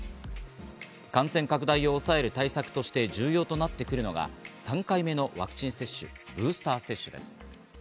感染拡大を抑える対策として重要となってくるのが３回目のワクチン接種、ブースター接種です。